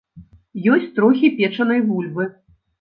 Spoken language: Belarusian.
Ёсць трохі печанай бульбы.